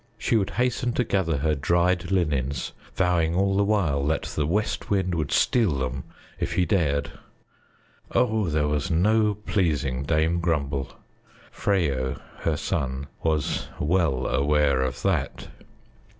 She would hasten to gather her dried linens, vowing all the while that the West Wind would steal them if he dared. Oh, there was no pleasing Dame Grumble! Freyo, her son, was well aware of that.